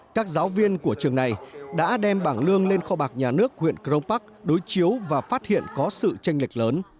các giáo viên của trường này đã đem bảng lương lên kho bạc nhà nước huyện crong park đối chiếu và phát hiện có sự tranh lệch lớn